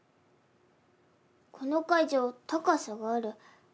この会場高さがある。